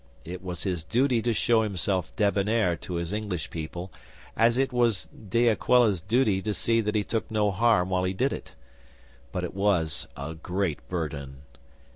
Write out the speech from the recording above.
It was his duty to show himself debonair to his English people as it was De Aquila's duty to see that he took no harm while he did it, But it was a great burden!